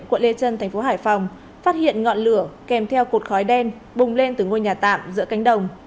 quận lê trân thành phố hải phòng phát hiện ngọn lửa kèm theo cột khói đen bùng lên từ ngôi nhà tạm giữa cánh đồng